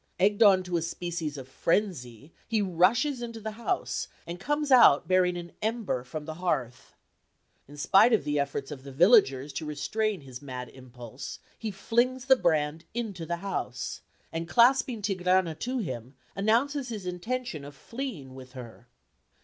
Egged on to a species of frenzy, he rushes into the house and comes out bearing an ember from the hearth. In spite of the efforts of the villagers to restrain his mad impulse he flings the brand into the house, and clasping Tigrana to him, announces his intention of fleeing with her.